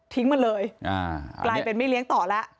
มาเลยกลายเป็นไม่เลี้ยงต่อแล้ว